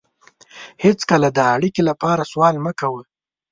هېڅکله د اړیکې لپاره سوال مه کوه.